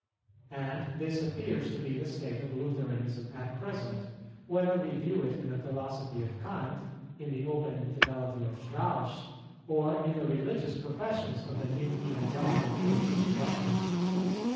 And this appears to be the state of Lutheranism at present, whether we view it in the philosophy of Kant, in the open infidelity of Strauss, or in the religious professions of the new Evangelical Church of Prussia.